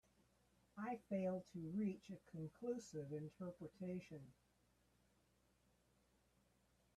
I failed to reach a conclusive interpretation.